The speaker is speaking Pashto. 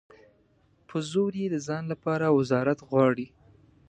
په زور یې د ځان لپاره وزارت غواړي.